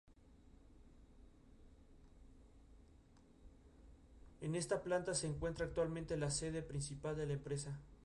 En esta planta se encuentra actualmente la sede principal de la empresa.